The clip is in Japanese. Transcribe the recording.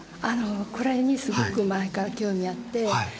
あのこれにすごく前から興味あって。